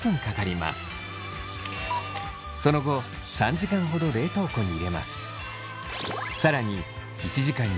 その後３時間ほど冷凍庫に入れます。